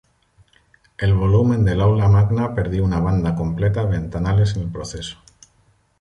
El volumen del Aula Magna perdió una banda completa de ventanales en el proceso.